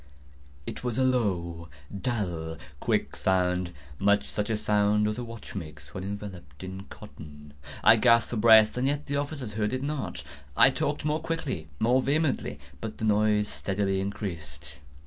It was a low, dull, quick sound—much such a sound as a watch makes when enveloped in cotton. I gasped for breath—and yet the officers heard it not. I talked more quickly—more vehemently; but the noise steadily increased.